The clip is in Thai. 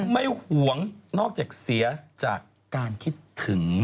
ห่วงนอกจากเสียจากการคิดถึง